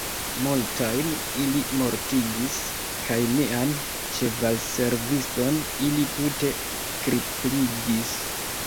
Multajn ili mortigis, kaj mian ĉevalserviston ili tute kripligis.